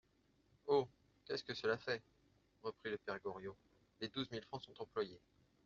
Oh ! qu'est-ce que cela fait ! reprit le père Goriot, les douze mille francs sont employés.